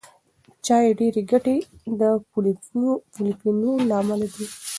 د چای ډېری ګټې د پولیفینول له امله دي.